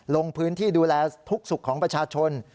ลงพื้นที่ดูแลทุกสุขของประชาชน